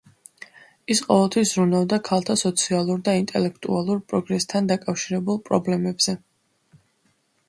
ის ყოველთვის ზრუნავდა ქალთა სოციალურ და ინტელექტუალურ პროგრესთან დაკავშირებულ პრობლემებზე.